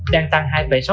đang tăng hai sáu mươi hai